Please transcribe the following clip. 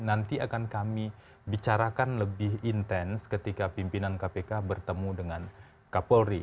nanti akan kami bicarakan lebih intens ketika pimpinan kpk bertemu dengan kapolri